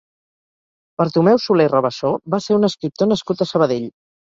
Bartomeu Soler Rabassó va ser un escriptor nascut a Sabadell.